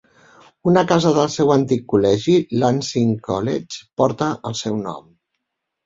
Una casa del seu antic col·legi Lancing College porta el seu nom.